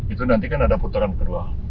itu nanti kan ada putaran kedua